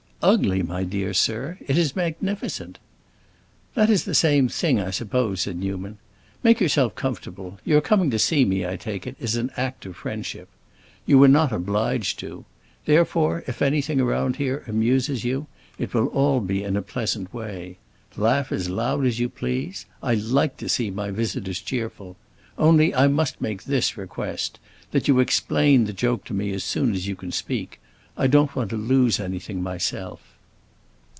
"Ugly, my dear sir? It is magnificent." "That is the same thing, I suppose," said Newman. "Make yourself comfortable. Your coming to see me, I take it, is an act of friendship. You were not obliged to. Therefore, if anything around here amuses you, it will be all in a pleasant way. Laugh as loud as you please; I like to see my visitors cheerful. Only, I must make this request: that you explain the joke to me as soon as you can speak. I don't want to lose anything, myself."